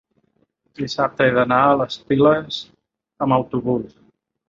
dissabte he d'anar a les Piles amb autobús.